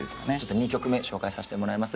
２曲目紹介させてもらいます。